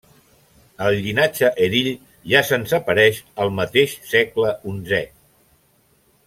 El llinatge Erill ja se'ns apareix el mateix segle onzè.